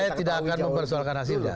saya tidak akan mempersoalkan hasilnya